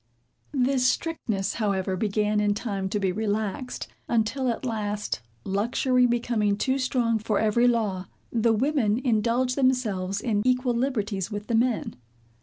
This strictness, however, began in time to be relaxed; until at last, luxury becoming too strong for every law, the women indulged themselves in equal liberties with the men.